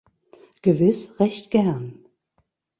Gewiss, recht gern.